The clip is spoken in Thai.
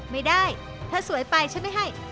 ไม่ได้เธอสวยไปฉันไม่ให้